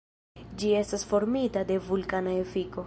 Ĝi estis formita de vulkana efiko.